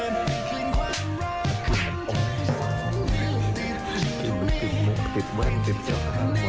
ละครีมสิมันกินมือผิดมือผิดจากละคร